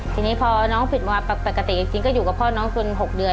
ทีนี้พอน้องผิดมาปกติจริงก็อยู่กับพ่อน้องจน๖เดือน